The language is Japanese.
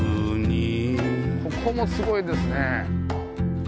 ここもすごいですね。